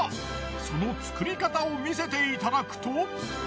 その作り方を見せていただくと。